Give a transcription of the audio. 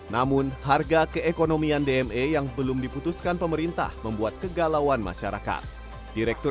namun harga keekonomian dme yang belum diputuskan pemerintah membuat kegalauan masyarakat direktur